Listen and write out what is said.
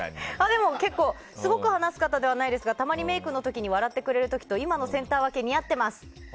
でもすごく話す方ではないですがたまにメイクの時に笑ってくれる時と今のセンター分け似合ってます。